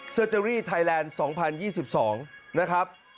เตอร์เจอรี่ไทยแลนด์๒๐๒๒นะครับ